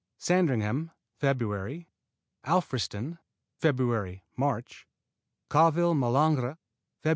Sandringham Feb. Alfriston Feb., March Calville Malingre Feb.